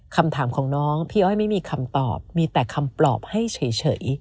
คำถามของน้องพี่อ้อยไม่มีคำตอบมีแต่คำปลอบให้เฉย